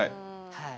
はい。